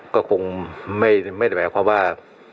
ก็คงไม่แผนว่าว่า